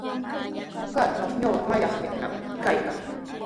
Kaytraw ñuqa mallaqnaypita kaykaa.